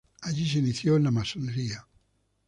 Allí se inició en la masonería.